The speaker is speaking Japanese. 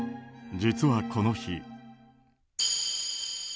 実は、この日。